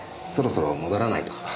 そろそろ戻らないと。